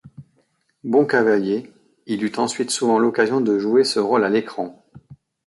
Bon cavalier, il eut ensuite souvent l'occasion de jouer ce rôle à l'écran.